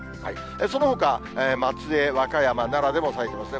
そのほか、松江、和歌山、奈良でも咲いてますね。